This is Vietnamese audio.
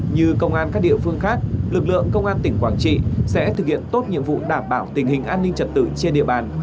như công an các địa phương khác lực lượng công an tỉnh quảng trị sẽ thực hiện tốt nhiệm vụ đảm bảo tình hình an ninh trật tự trên địa bàn